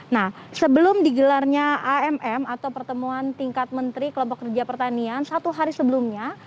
nah sebelum digelarnya amm atau pertemuan tingkat menteri kelompok kerja pertanian satu hari sebelumnya